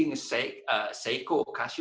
jika anda suka menjadi seiko atau casio